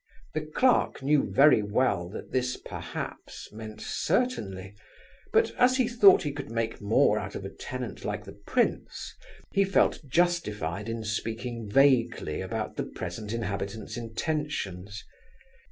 The clerk knew very well that this "perhaps" meant "certainly," but as he thought he could make more out of a tenant like the prince, he felt justified in speaking vaguely about the present inhabitant's intentions.